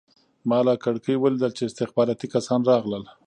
ما له کړکۍ ولیدل چې استخباراتي کسان راغلل